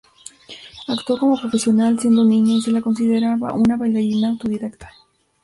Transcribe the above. Actuó como profesional siendo niña y se la consideraba una bailarina autodidacta.